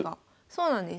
そうなんです。